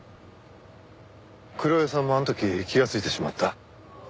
黒岩さんもあの時気がついてしまった。